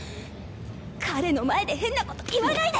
彼の前で変なこと言わないで！